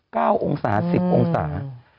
เก้าองศา๑๐องศา